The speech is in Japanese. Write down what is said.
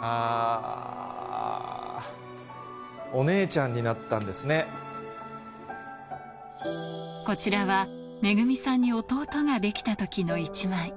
あぁ、お姉ちゃんになったんですこちらは、めぐみさんに弟ができたときの一枚。